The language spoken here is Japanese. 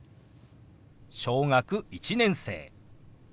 「小学１年生」。